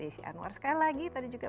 desi anwar sekali lagi tadi juga